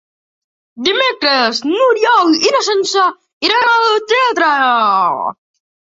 Dimecres n'Oriol i na Sança iran al teatre.